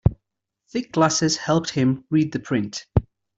Thick glasses helped him read the print.